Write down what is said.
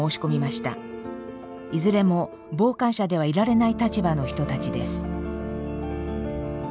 いずれも傍観者ではいられない立場の人たちです。